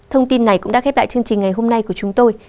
thông tin này cũng đã khép lại chương trình ngày hôm nay của chúng tôi